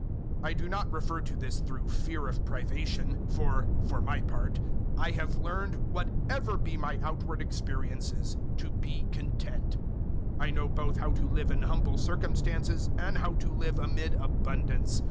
004:011 I do not refer to this through fear of privation, for (for my part) I have learned, whatever be my outward experiences, to be content. 004:012 I know both how to live in humble circumstances and how to live amid abundance.